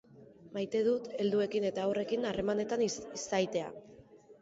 Maite dut helduekin eta haurrekin harremanetan izaitea.